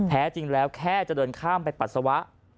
แท้จริงแล้วแค่จะเดินข้ามไปปัสสาวะ